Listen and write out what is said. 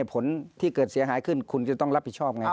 ผลที่เกิดเสียหายขึ้นคุณจะต้องรับผิดชอบไง